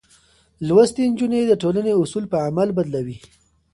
لوستې نجونې د ټولنې اصول په عمل بدلوي.